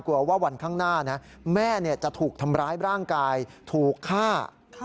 กลัวว่าวันข้างหน้านะแม่จะถูกทำร้ายร่างกายถูกฆ่า